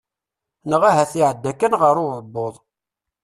Neɣ ahat iɛedda kan ɣer uɛebbuḍ.